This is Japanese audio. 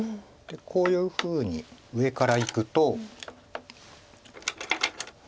こういうふうに上からいくと。